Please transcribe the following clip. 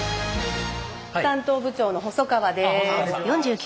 担当部長の細川です。